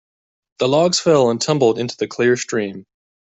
The logs fell and tumbled into the clear stream.